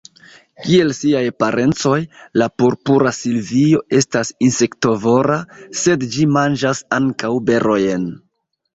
Kiel siaj parencoj, la Purpura silvio estas insektovora, sed ĝi manĝas ankaŭ berojn.